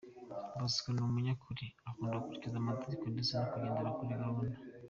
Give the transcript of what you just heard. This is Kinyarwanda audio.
Bosco ni umunyakuri, akunda gukurikiza amategeko ndetse no kugendera kuri gahunda.